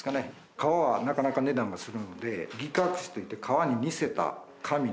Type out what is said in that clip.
革はなかなか値段がするので擬革紙といって革に似せた。